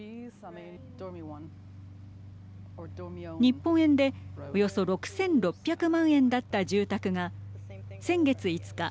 日本円で、およそ６６００万円だった住宅が先月５日